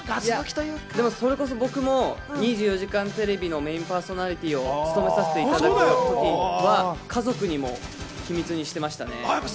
それこそ僕も『２４時間テレビ』のメインパーソナリティーを務めさせていただく時には家族に秘密にしていましたね。